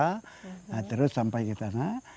naik tangga terus sampai ke sana